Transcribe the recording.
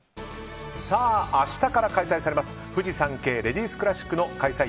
明日から開催されますフジサンケイレディスクラシックの開催